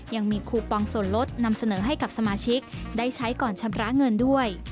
ยังมีคูปองส่วนลดนำเสนอให้กับสมาชิกได้ใช้ก่อนชำระเงินด้วย